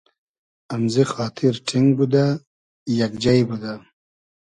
امزی خاتیر ݖینگ بودۂ, یئگ جݷ بودۂ